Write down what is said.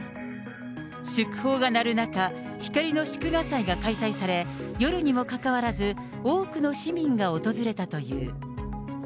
祝砲が鳴る中、光の祝賀祭が開催され、夜にもかかわらず、多くの市民が訪れたという。